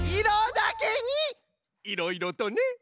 いろいろとね。